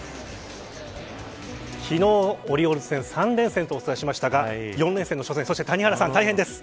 昨日、オリオールズ戦３連戦とお伝えしましたが４連戦の初戦そして、大変です。